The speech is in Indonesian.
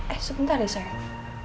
eh sebentar ya sayang